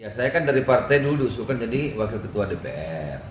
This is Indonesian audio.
saya kan dari partai dulu diusulkan jadi wakil ketua dpr